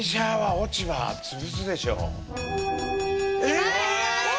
え！？